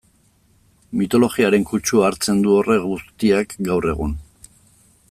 Mitologiaren kutsua hartzen du horrek guztiak gaur egun...